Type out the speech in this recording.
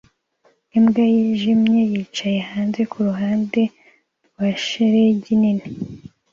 Imbwa yijimye yicaye hanze kuruhande rwa shelegi nini